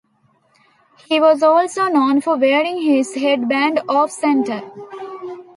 He was also known for wearing his headband off-center.